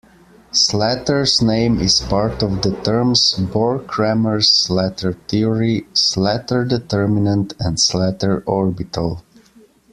Slater's name is part of the terms Bohr-Kramers-Slater theory, Slater determinant and Slater orbital.